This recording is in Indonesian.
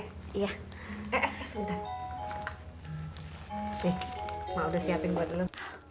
nih ma udah siapin buat lo